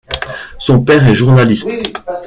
Son père est journaliste.